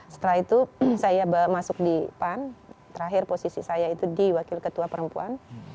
setelah itu saya masuk di pan terakhir posisi saya itu di wakil ketua perempuan